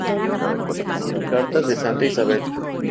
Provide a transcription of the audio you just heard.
Cartas de Santa Isabel.